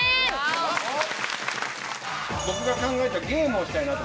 僕が考えたゲームをしたいなと。